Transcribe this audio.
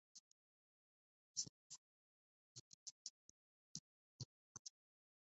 La tienda fue diseñada por el arquitecto David Ling de Manhattan.